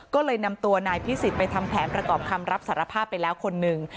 ก็เลยนำตัวนายพิสิทธิ์ไปทำแผนประกอบคำรับสารภาพไปแล้วคนหนึ่ง